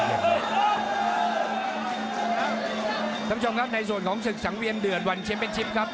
คุณผู้ชมครับในส่วนของศึกสังเวียนเดือดวันเชียมเป็นชิปครับ